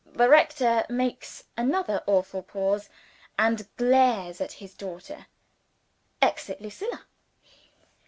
The rector makes another awful pause, and glares at his daughter. (Exit Lucilla.)